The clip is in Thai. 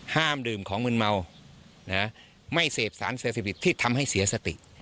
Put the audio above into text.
ห้ามดื่มของมืนเมาไม่เสพสารเสพติดที่ทำให้เสียสติ